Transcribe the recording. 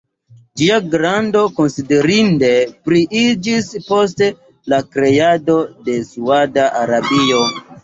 Ĝia grando konsiderinde pliiĝis post la kreado de Sauda Arabio.